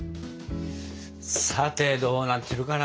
さてどうなってるかな？